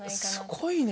すごいね。